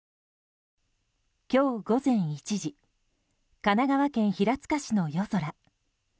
今日午前１時神奈川県平塚市の夜空。